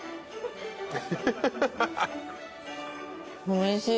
おいしい。